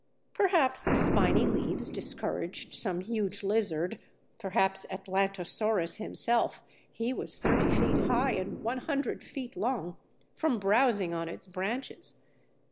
Perhaps the spiny leaves discouraged some huge lizard, perhaps Atlantosaurus himself (he was thirty feet high and one hundred feet long), from browsing on its branches.